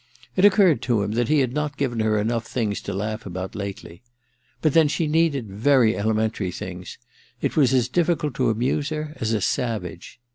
It occurred to him that he had not given I THE MISSION OF JANE 167 her enough things to laugh about lately. But then she needed such very elementary things : she was as difficult to amuse as a savage.